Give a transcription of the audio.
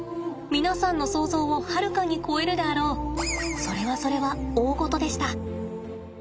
皆さんの想ゾウをはるかに超えるであろうそれはそれは大ごとでした。